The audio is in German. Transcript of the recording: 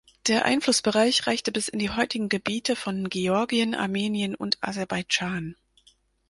Der Einflussbereich reichte bis in die heutigen Gebiete von Georgien, Armenien und Aserbaidschan.